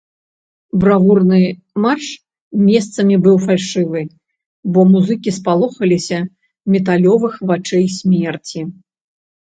Бравурны марш месцамі быў фальшывы, бо музыкі спалохаліся металёвых вачэй смерці.